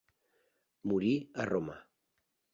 Morí a Roma.